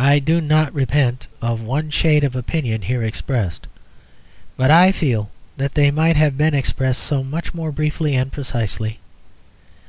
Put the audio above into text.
I do not repent of one shade of opinion here expressed; but I feel that they might have been expressed so much more briefly and precisely.